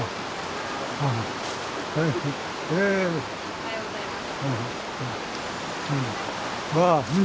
おはようございます。